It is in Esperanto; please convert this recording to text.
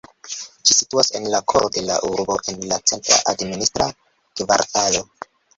Ĝi situas en la koro de la urbo en la centra administra kvartalo.